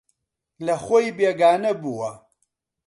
لەخۆی بێگانە بووە